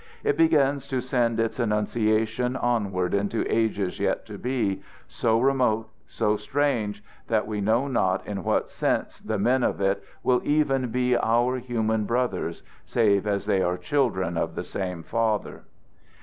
It begins to send its annunciation onward into ages yet to be, so remote, so strange, that we know not in what sense the men of it will even be our human brothers save as they are children of the same Father.